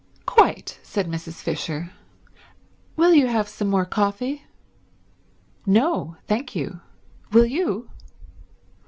"Quite," said Mrs. Fisher. "Will you have some more coffee?" "No, thank you. Will you?"